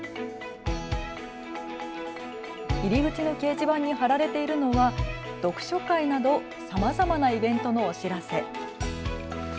入り口の掲示板に貼られているのは読書会などさまざまなイベントのお知らせ。